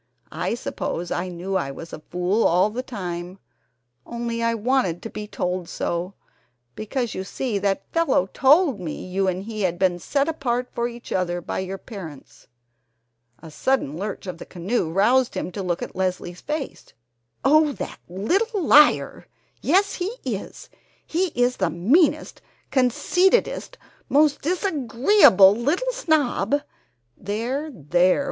I suppose I knew I was a fool all the time, only I wanted to be told so, because you see that fellow told me you and he had been set apart for each other by your parents !" A sudden lurch of the canoe roused him to look at Leslie's face: "Oh, that little liar! Yes, he is! He is the meanest, conceitedest, most disagreeable little snob !" "There, there!